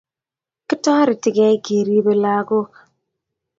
Kitoretigei keripei lakok